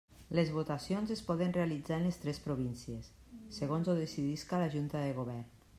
Les votacions es poden realitzar en les tres províncies, segons ho decidisca la Junta de Govern.